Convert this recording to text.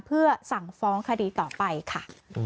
เพื่อสั่งฟ้องคดีต่อไปค่ะ